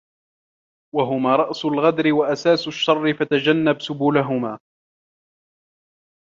وَهُمَا رَأْسُ الْغَدْرِ وَأَسَاسُ الشَّرِّ فَتَجَنَّبْ سُبُلَهُمَا